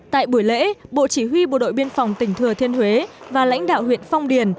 tại buổi lễ bộ chỉ huy bộ đội biên phòng tỉnh thừa thiên huế và lãnh đạo huyện phong điền